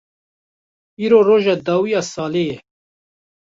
Îro roja dawî ya salê ye.